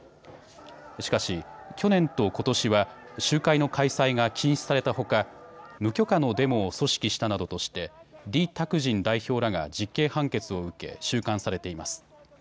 しかし、去年とことしは集会の開催が禁止されたほか無許可のデモを組織したなどとして李卓人代表らが実刑判決を受け収監されています。